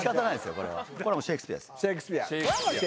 これはシェイクスピアです。